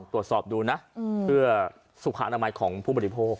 ตรวจสอบดูนะเพื่อสุขอนามัยของผู้บริโภค